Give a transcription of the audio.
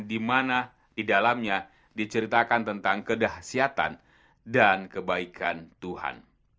dimana di dalamnya diceritakan tentang kedah siatan dan kebaikan tuhan